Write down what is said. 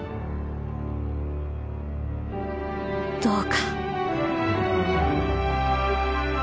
どうか